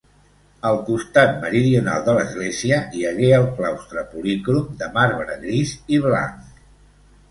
Al costat meridional de l'església hi hagué el claustre, policrom, de marbre gris i blanc.